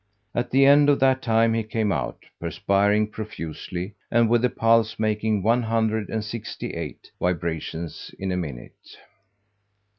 At the end of that time he came out, perspiring profusely, and with a pulse making one hundred and sixty eight vibrations in a minute.